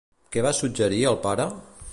Què va suggerir el pare?